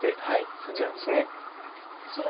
そちらです。